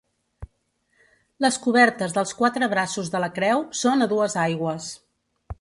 Les cobertes dels quatre braços de la creu són a dues aigües.